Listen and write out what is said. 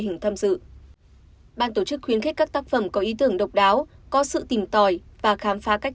hình tham dự ban tổ chức khuyến khích các tác phẩm có ý tưởng độc đáo có sự tìm tòi và khám phá cách